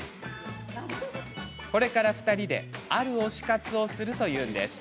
これから２人で、ある推し活をするというんです。